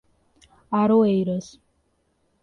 Aroeiras